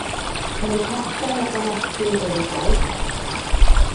Gwneud hetiau a boneti oedd ei gwaith.